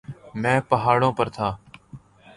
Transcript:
. میں پہاڑوں پر تھا.